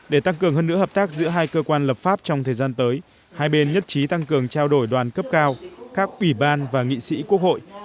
để tăng cường hơn nữa hợp tác giữa hai cơ quan lập pháp trong thời gian tới hai bên nhất trí tăng cường trao đổi đoàn cấp cao các ủy ban và nghị sĩ quốc hội